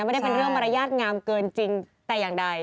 ไม่ได้เป็นเรื่องมารยาทงามเกินจริงแต่อย่างใด